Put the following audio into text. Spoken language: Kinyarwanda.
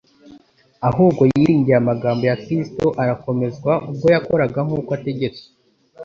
Ahubwo yiringiye amagambo ya Kristo, arakomezwa ubwo yakoraga nk'uko ategetswe.